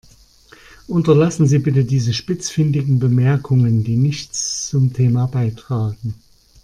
Unterlassen Sie bitte diese spitzfindigen Bemerkungen, die nichts zum Thema beitragen.